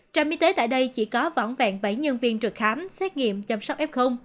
trạm y tế tại đây chỉ có vỏn vẹn bảy nhân viên trực khám xét nghiệm chăm sóc f